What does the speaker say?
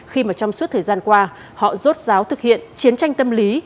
khi mà trong suốt thời gian qua họ rốt ráo thực hiện chiến tranh tâm lý